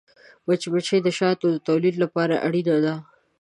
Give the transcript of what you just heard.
مچمچۍ د شاتو د تولید لپاره اړینه ده